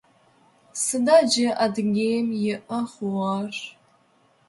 Сыда джы Адыгеим иӏэ хъугъэр?